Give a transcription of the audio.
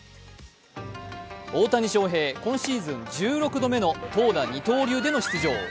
大谷翔平、今シーズン１６度目の投打二刀流での出場。